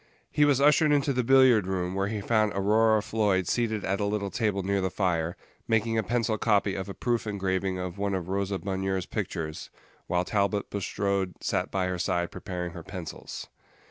He was ushered into the billiard room, where he found Aurora Floyd seated at a little table near the fire, making a pencil copy of a proof engraving of one of Rosa Bonheur's pictures, while Talbot Bulstrode sat by her side preparing her pencils.